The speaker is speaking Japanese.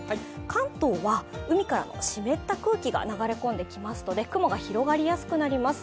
関東は、海からの湿った空気が流れ込んできますので雲が広がりやすくなります。